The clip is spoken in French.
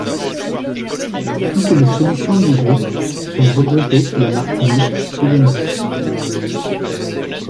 Toutes les solutions du Groupe sont regroupées sous la marque unique Edenred.